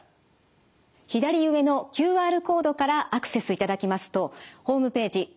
左上のＱＲコードからアクセスいただきますとホームページ